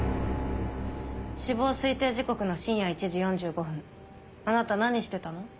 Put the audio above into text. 死亡推定時刻の深夜１時４５分あなた何してたの？